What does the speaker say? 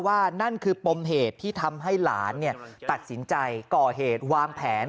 นั่นคือปมเหตุที่ทำให้หลานตัดสินใจก่อเหตุวางแผน